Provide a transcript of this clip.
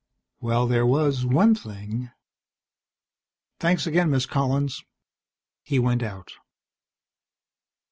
Well, there was one thing. "Thanks again, Miss Collins." He went out.